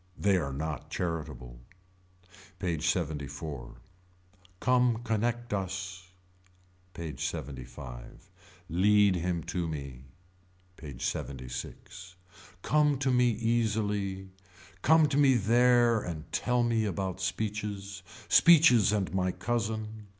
They are not charitable. PAGE LXXIV. Come Connect Us. PAGE LXXV. Lead him to me. PAGE LXXVI. Come to me easily. Come to me there and tell me about speeches. Speeches and my cousin.